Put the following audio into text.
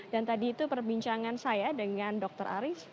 dan tadi itu perbincangan saya dengan dokter arief